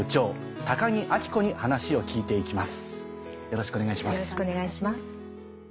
よろしくお願いします。